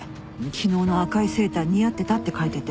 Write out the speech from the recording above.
「昨日の赤いセーター似合ってた」って書いてて。